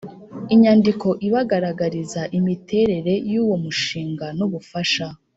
inyandiko ibagaragariza imiterere y uwo mushinga n ubufasha